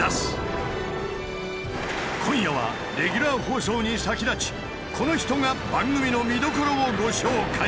今夜はレギュラー放送に先立ちこの人が番組の見どころをご紹介！